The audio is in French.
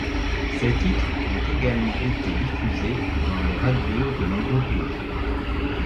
Ces titres ont également été diffusées dans les radios de nombreux pays.